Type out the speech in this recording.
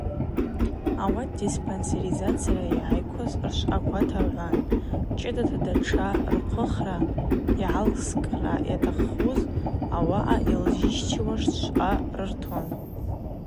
Ауат диспансеризация йгӏайкваз ршвъаква таргӏвуан, чӏыдата датша рхъвыхра йгӏакӏылсра атахъыз ауаъа йызларщтиуаш швъа рыртуан.